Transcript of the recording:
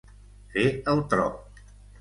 Fer el tro.